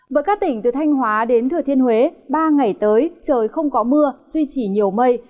với các tỉnh từ thanh hóa đến thừa thiên huế ba ngày tới trời không có mưa duy trì nhiều mây